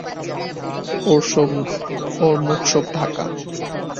ওর মুখ সব ঢাকা।